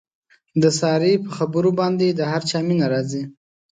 د سارې په خبرو باندې د هر چا مینه راځي.